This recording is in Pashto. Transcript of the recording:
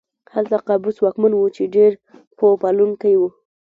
هلته قابوس واکمن و چې ډېر پوه پالونکی و.